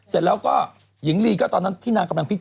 เสร็จแล้วก็หญิงลีก็ตอนนั้นที่นางกำลังพลิก